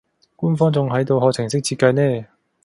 官方仲喺度學程式設計呢